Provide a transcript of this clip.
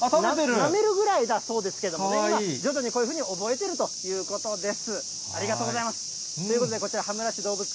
なめるくらいだそうですけれどもね、徐々にこういうふうに覚えているということです。